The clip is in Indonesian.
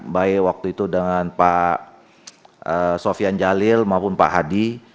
baik waktu itu dengan pak sofian jalil maupun pak hadi